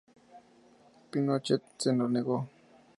Pinochet se lo negó.